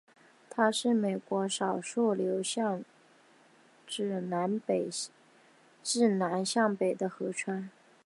它是美国少数流向自南向北的河川。